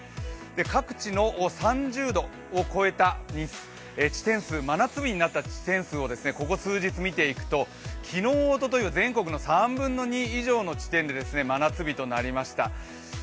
各地の３０度を超えた地点数真夏日になった地点数をここ数日、見ていくと昨日、おとといは全国の３分の２以上の地点で真夏日となりました。